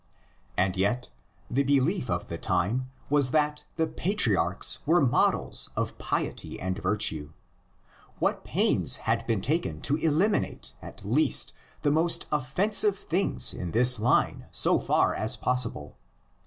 And yet, the belief of the time was that the patriarchs were models of piety and virtue. What pains had been taken to eliminate at least the most offensive things in this line so far as possible!